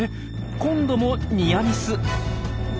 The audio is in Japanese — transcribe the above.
今度もニアミス。